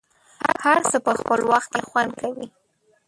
هر څه په خپل وخت کې خوند کوي.